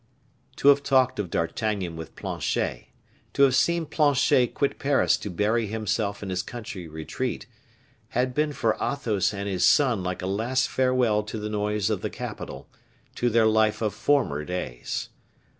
To have talked of D'Artagnan with Planchet, to have seen Planchet quit Paris to bury himself in his country retreat, had been for Athos and his son like a last farewell to the noise of the capital to their life of former days.